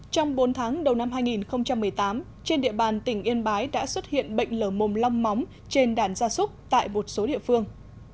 trong bốn tháng đầu năm hai nghìn một mươi tám trên địa bàn tỉnh yên bái đã xuất hiện bệnh lở mồm long móng trên đàn gia súc tại một số địa phương